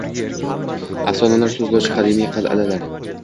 Afsonalar so‘zlovchi qadimiy qal’alar